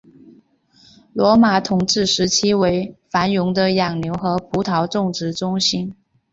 罗马统治时期为繁荣的养牛和葡萄种植中心。